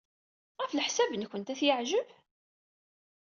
Ɣef leḥsab-nwent, ad t-yeɛjeb?